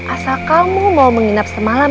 asal kamu mau menginap semalam